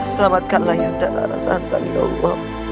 selamatkanlah yudhana raksantan ya allah